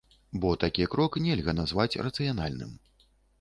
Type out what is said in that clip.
Бо такі крок нельга назваць рацыянальным.